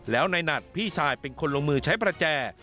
แล้วในหนัดพี่ชายเป็นคนลงมือใช้ประแจ